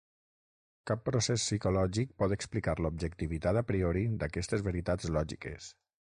Cap procés psicològic pot explicar l'objectivitat a priori d'aquestes veritats lògiques.